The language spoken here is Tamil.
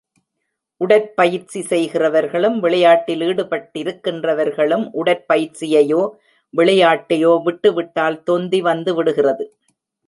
உடற்பயிற்சி செய்கின்றவர்களும் விளையாட்டில் ஈடுபட்டிருக்கின்றவர்களும் உடற் பயிற்சியையோ விளையாட்டையோ விட்டு விட்டால், தொந்தி வந்துவிடுகிறது.